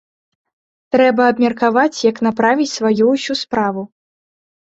Трэба абмеркаваць, як направіць сваю ўсю справу.